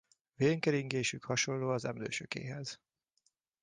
Vérkeringésük hasonló az emlősökéhez.